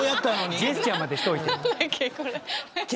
ジェスチャーまでしといて。